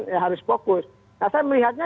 ya harus fokus saya melihatnya